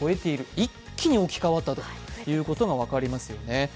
一気に置き換わったということが分かりますよね。